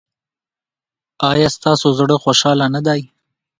ایا ستاسو زړه خوشحاله نه دی؟